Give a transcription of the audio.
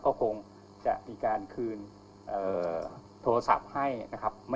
ก็คงจะมีการคืนโทรศัพท์ให้นะครับ